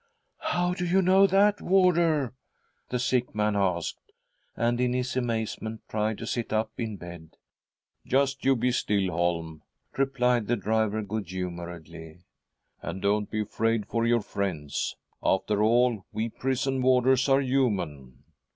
"How do you know that, warder ?" the sick man asked, and in his amazement tried to sit up in bed. " Just you he still, Holm,"_ replied the driver good humouredly, " and don't be afraid for your friends. After all, we prison warders are human.